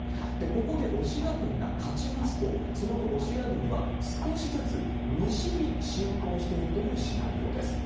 ここでロシア軍が勝ちますと、その後、ロシア軍は少しずつ西に侵攻していくというシナリオです。